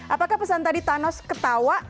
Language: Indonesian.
apakah pesan tadi thanos ketawa